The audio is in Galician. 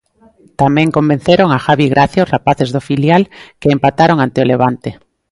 Tamén convenceron a Javi Gracia os rapaces do filial que empataron ante o Levante.